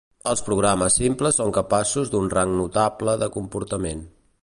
Els programes simples són capaços d'un rang notable de comportament.